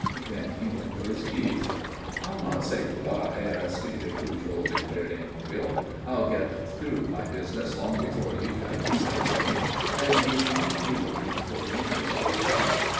Then he went for his keys. "I'll not say good bye," Aristide Pujol declared, amiably. "I'll get through my business long before you've done your sight seeing, and you'll find me waiting for you near the hotel.